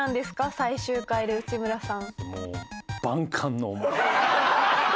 最終回で内村さん